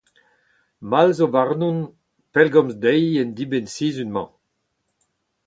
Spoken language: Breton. Mall zo warnon pellgomz dezhi en dibenn-sizhun-mañ.